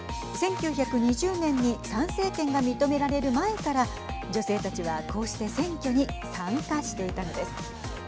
１９２０年に参政権が認められる前から女性たちは、こうして選挙に参加していたのです。